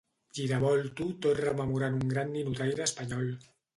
Giravolto tot rememorant un gran ninotaire espanyol.